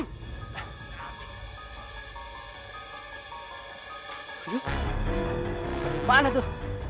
aduh mana tuh